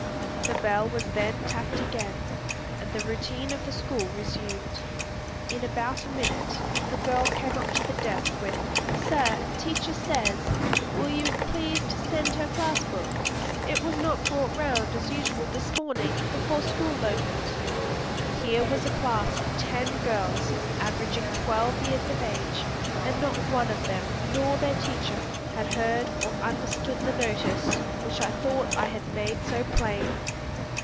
The bell was then tapped again, and the routine of the school resumed. In about a minute, a girl came up to the desk, with, "Sir, teacher says, will you please to send her class book; it was not brought round, as usual, this morning, before school opened!" Here was a class of ten girls, averaging twelve years of age, and not one of them, nor their teacher, had heard or understood the notice which I thought I had made so plain!